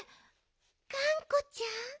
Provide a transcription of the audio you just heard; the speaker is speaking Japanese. がんこちゃん。